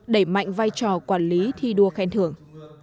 đẩy mạnh vai trò quản lý thi đua khen thưởng